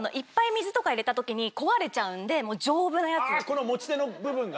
この持ち手の部分が？